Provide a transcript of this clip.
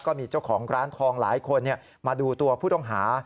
ก็มีเจ้าของร้านทองหลายคนมาดูตัวผู้ต้องหา